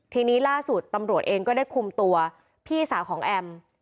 ทีนี้ล่าสุดตำรวจเองก็ได้คุมตัวพี่สาวของแอม